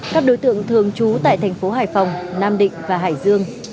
các đối tượng thường trú tại thành phố hải phòng nam định và hải dương